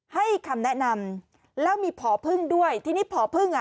ให้คำแนะนำแล้วมีผอพึ่งด้วยทีนี้พอพึ่งอ่ะ